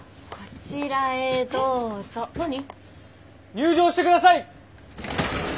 入場して下さい！